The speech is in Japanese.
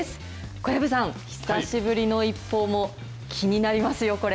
小藪さん、久しぶりのＩＰＰＯＵも気になりますよ、これ。